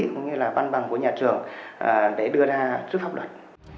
cũng như là văn bằng của nhà trường để đưa ra trước pháp luật